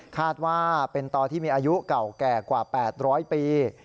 คาดว่าเป็นต่อที่มีอายุเก่าแก่กว่า๘๐๐ปี